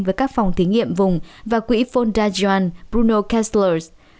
với các phòng thí nghiệm vùng và quỹ fondagion bruno kessler